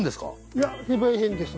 いや非売品です。